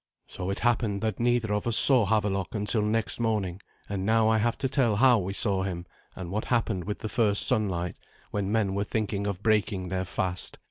So it happened that neither of us saw Havelok until next morning; and now I have to tell how we saw him, and what happened with the first sunlight, when men were thinking of breaking their fast.